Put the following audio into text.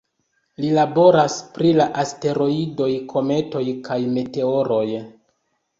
Li laboras pri la asteroidoj, kometoj kaj meteoroj.